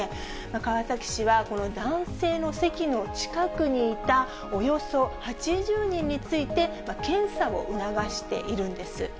川崎市はこの男性の席の近くにいたおよそ８０人について、検査を促しているんです。